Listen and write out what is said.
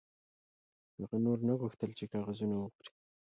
هغه نور نه غوښتل چې کاغذونه وخوري